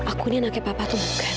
aku ini anaknya papa tuh bukan